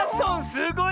すごい。